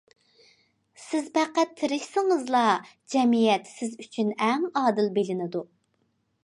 سىز پەقەت تىرىشسىڭىزلا، جەمئىيەت سىز ئۈچۈن ئەڭ ئادىل بىلىنىدۇ.